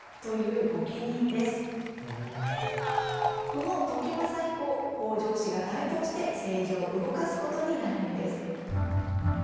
この時政以降北条氏が台頭して政治を動かすことになるんです。